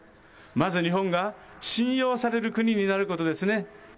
まず日本が信用される国になることですね。